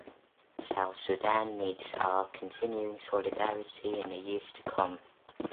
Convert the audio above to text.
South Sudan needs our continuing solidarity in the years to come.